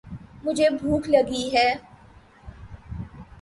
مجھے بھوک لگی ہے۔